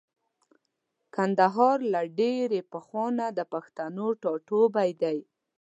کندهار له ډېرې پخوانه د پښتنو ټاټوبی دی.